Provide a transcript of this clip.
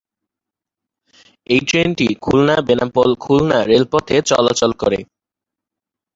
এই ট্রেনটি খুলনা-বেনাপোল-খুলনা রেলপথে চলাচল করে।